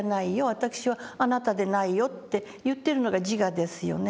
私はあなたでないよ」って言ってるのが自我ですよね。